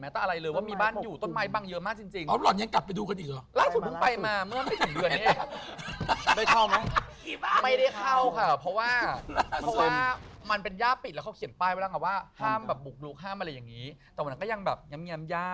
แต่วันนั้นก็ยังแบบเงียบเงียบย่า